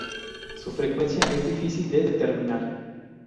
Su frecuencia es difícil de determinar.